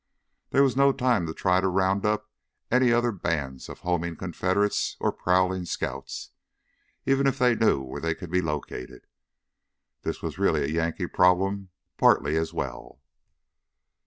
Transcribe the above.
There was no time to try to round up any other bands of homing Confederates or prowling scouts, even if they knew where they could be located. This was really a Yankee problem partly as well.